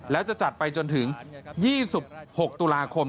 แล้วจะจัดไปจนถึง๒๖ตุลาคม